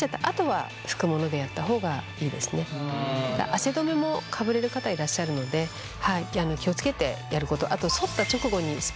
汗止めもかぶれる方いらっしゃるので気を付けてやること。